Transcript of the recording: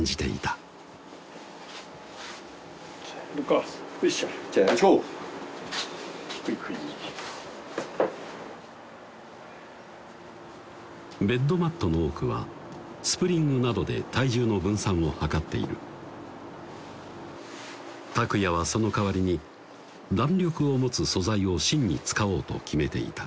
はいベッドマットの多くはスプリングなどで体重の分散を図っている拓也はその代わりに弾力を持つ素材を芯に使おうと決めていた